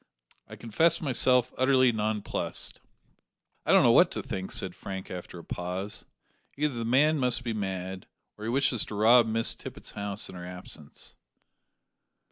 I confess myself utterly nonplussed." "I don't know what to think," said Frank after a pause. "Either the man must be mad, or he wishes to rob Miss Tippet's house in her absence."